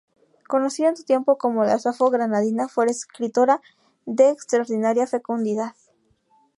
Conocida en su tiempo como la Safo granadina, fue escritora de extraordinaria fecundidad.